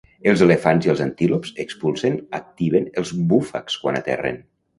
Els elefants i els antílops expulsen activen els búfags quan aterren.